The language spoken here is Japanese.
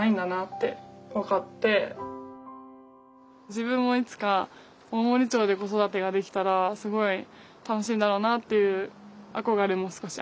自分もいつか大森町で子育てができたらすごい楽しいんだろうなっていう憧れも少しあります。